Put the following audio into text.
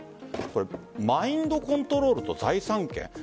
マインドコントロールと財産権。